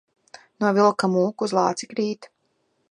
No vilka mūk, uz lāci krīt.